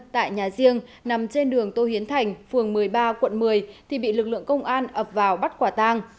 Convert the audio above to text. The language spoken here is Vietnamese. tại nhà riêng nằm trên đường tô hiến thành phường một mươi ba quận một mươi thì bị lực lượng công an ập vào bắt quả tang